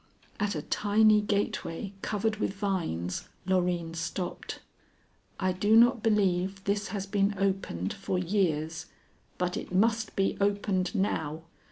At a tiny gateway covered with vines, Loreen stopped. "I do not believe this has been opened for years, but it must be opened now."